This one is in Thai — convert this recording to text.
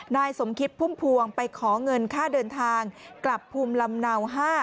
นายสมคิตพุ่มพวงไปขอเงินค่าเดินทางกลับภูมิลำเนา๕